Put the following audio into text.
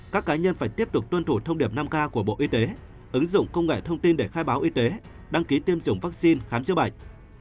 các cá nhân phải tiếp tục tuân thủ thông điệp năm k của bộ y tế ứng dụng công nghệ thông tin để khai báo y tế đăng ký tiêm chủng vaccine khám chữa bệnh